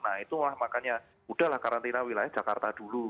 nah itulah makanya udahlah karantina wilayah jakarta dulu